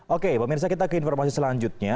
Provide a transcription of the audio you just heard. oke pemirsa kita ke informasi selanjutnya